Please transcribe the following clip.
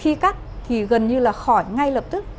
khi cắt thì gần như là khỏi ngay lập tức